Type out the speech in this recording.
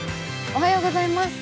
おはようございます。